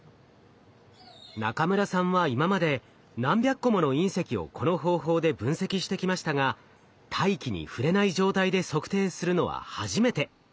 中村さんは今まで何百個もの隕石をこの方法で分析してきましたが大気に触れない状態で測定するのは初めて。